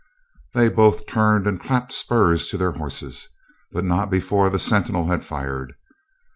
They both turned and clapped spurs to their horses, but not before the sentinel had fired.